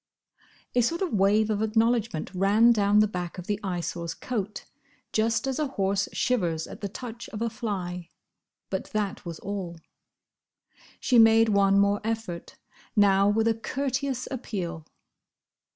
—" A sort of wave of acknowledgment ran down the back of the Eyesore's coat, just as a horse shivers at the touch of a fly; but that was all. She made one more effort: now with a courteous appeal.